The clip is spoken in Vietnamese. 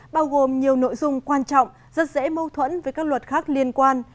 bao gồm nhiều nội dung quan trọng rất dễ mâu thuẫn với các luật khác liên quan